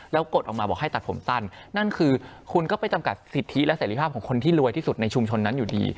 แล้วกดออกมาบอกให้ตัดผมสั้นนั่นคือคุณก็ไปจำกัดสิทธิและเสร็จภาพของคนที่รวยที่สุดในชุมชนนั้นอยู่ดี